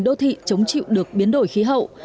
đô thị chống chịu được biến đổi khí hậu